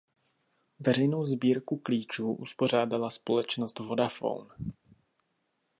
Veřejnou sbírku klíčů uspořádala společnost Vodafone.